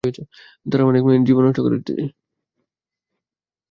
তারা অনেক মেয়ের জীবন নষ্ট করেছে।